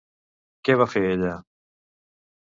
Què va fer ella?